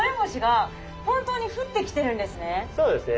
そうですね。